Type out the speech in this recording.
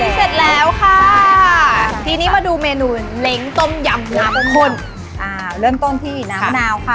ซ้อนที่น้ำหมันาว